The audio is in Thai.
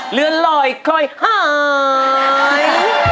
เหลือลอยค่อยหาย